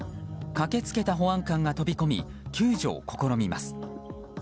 駆けつけた保安官が飛び込み救助を試みます。